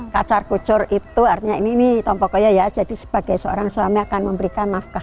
kacar kucur itu artinya ini tompokoya ya jadi sebagai seorang suami akan memberikan nafkah